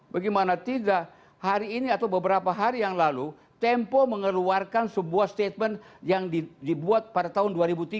bagaimana tidak hari ini atau beberapa hari yang lalu tempo mengeluarkan sebuah statement yang dibuat pada tahun dua ribu tiga